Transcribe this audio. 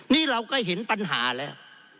นี่เราก็เห็นปัญหาแล้ว